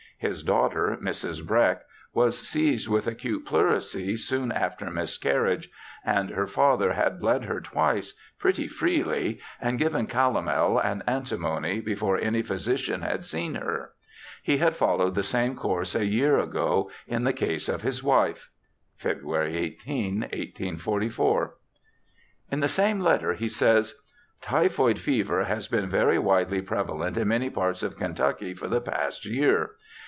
His daughter, Mrs. Breck, was seized with acute pleurisy, soon after miscarriage, and her father had bled her twice, pretty freely, and given calomel and antimony, before any phy sician had seen her. He had followed the same course a year ago in the case of his wife.' (February 18, 1844.) In the same letter he says :' Typhoid fever has been very widely prevalent in many parts of Kentucky for the past year.